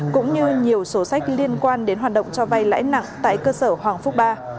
cũng như nhiều sổ sách liên quan đến hoạt động cho vay lãi nặng tại cơ sở hoàng phúc ba